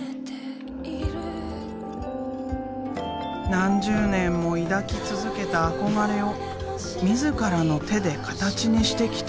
何十年も抱き続けた憧れを自らの手でカタチにしてきた。